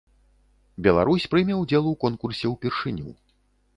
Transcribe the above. Беларусь прыме ўдзел у конкурсе ўпершыню.